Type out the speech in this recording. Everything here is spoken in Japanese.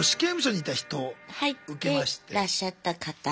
入ってらっしゃった方。